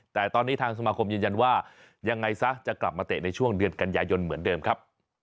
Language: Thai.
แต่ตอนนี้ทางสมาคมยืนยันว่ายังไงซะจะกลับมาเตะในช่วงเดือนกันยายนเหมือนเดิมครับ